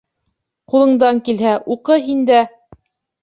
Ҡулыңдан килһә, уҡы һин дә!